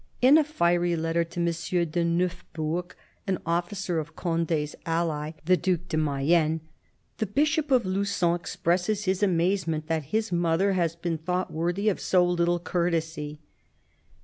In a fiery letter to M. de Neufbourg, an officer of Conde's ally, the Due de Mayenne, the Bishop of Lugon expresses his amazement that his mother has been thought worthy of so little courtesy.